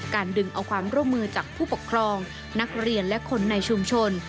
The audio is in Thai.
ดึงเอาความร่วมมือจากผู้ปกครองนักเรียนและคนในชุมชน